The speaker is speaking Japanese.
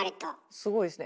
すごいですね。